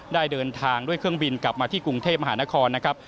ได้เดินทางด้วยเครื่องบินกลับมาที่กรุงเทพมหานครนะครับ